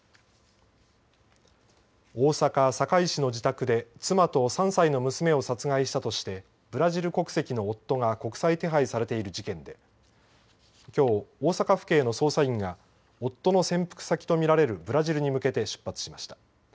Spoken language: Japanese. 大阪・堺市の自宅で妻と３歳の娘を殺害したとしてブラジル国籍の夫が国際手配されている事件できょう大阪府警の捜査員が夫の潜伏先と見られるブラジルに向けて出発しました。